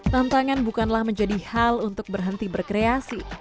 tantangan bukanlah menjadi hal untuk berhenti berkreasi